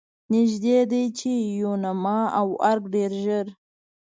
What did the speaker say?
نږدې ده چې یوناما او ارګ ډېر ژر.